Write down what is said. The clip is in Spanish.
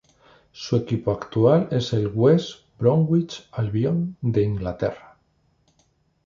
Su equipo actual es el West Bromwich Albion de Inglaterra.